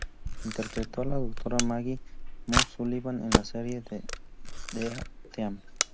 Interpretó a la doctora Maggie "Mo" Sullivan en la serie "The A-Team".